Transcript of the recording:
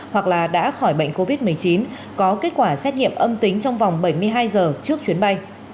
hoặc là đã khỏi bệnh covid một mươi chín có kết quả xét nghiệm âm tính trong vòng bảy mươi hai giờ trước chuyến bay